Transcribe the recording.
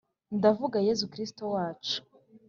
ndavuga yezu kristu wacu